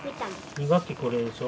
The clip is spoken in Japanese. ２学期これでしょ。